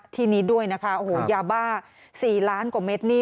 ที่นี้ด้วยนะคะโอ้โหยาบ้า๔ล้านกว่าเม็ดนี่